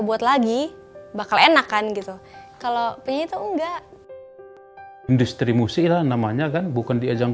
buat lagi bakal enakan gitu kalau itu enggak industri musik namanya kan bukan diajang